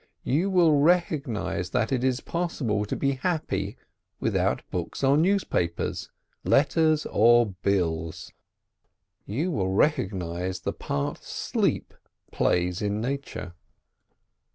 You will recognise that it is possible to be happy without books or newspapers, letters or bills. You will recognise the part sleep plays in Nature.